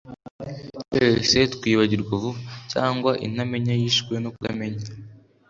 twese twibagirwa vuba, cyangwa intamenya yishwe no kutamenya